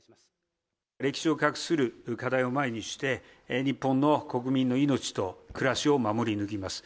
歴史を画する課題を前にして、日本の国民の命と暮らしを守り抜きます。